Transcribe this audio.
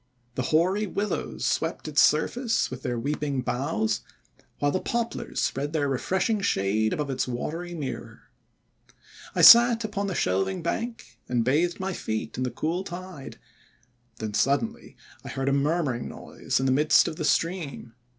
The hoary Willows swept its surface with their weeping boughs, while the Poplars spread their refreshing shade above its watery mirror. "I sat upon the shelving bank, and bathed my feet in the cool tide. Then suddenly I heard a murmuring noise in the midst of the stream.